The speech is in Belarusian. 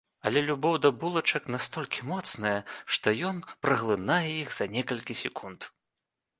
Але любоў да булачак настолькі моцная, што ён праглынае іх за некалькі секунд.